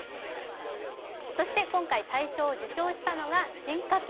そして今回大賞を受賞したのが賀進化系